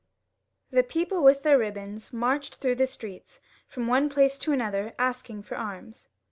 The people with their ribbons marched through the streets from one place to another asking for arms.